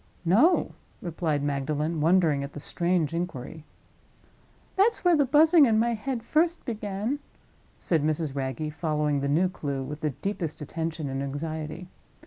"No," replied Magdalen, wondering at the strange inquiry. "That's where the Buzzing in my head first began," said Mrs. Wragge, following the new clue with the deepest attention and anxiety.